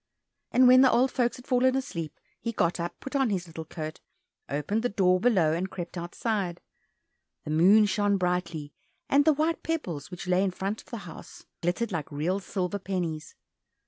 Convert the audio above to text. And when the old folks had fallen asleep, he got up, put on his little coat, opened the door below, and crept outside. The moon shone brightly, and the white pebbles which lay in front of the house glittered like real silver pennies.